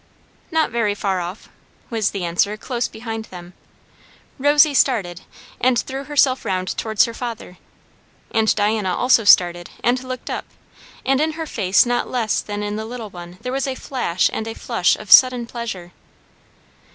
"Not very far off" was the answer, close behind them. Rosy started and threw herself round towards her father, and Diana also started and looked up; and in her face not less than in the little one there was a flash and a flush of sudden pleasure.